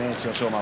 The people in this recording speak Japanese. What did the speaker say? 馬